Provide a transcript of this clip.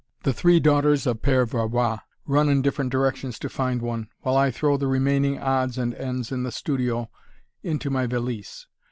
The three daughters of Père Valois run in different directions to find one, while I throw the remaining odds and ends in the studio into my valise.